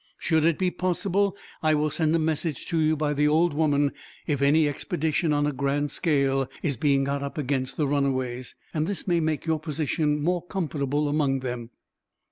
Should it be possible, I will send a message to you, by the old woman, if any expedition on a grand scale is being got up against the runaways; and this may make your position more comfortable among them."